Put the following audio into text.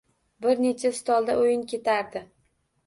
Bir necha stolda o`yin ketardi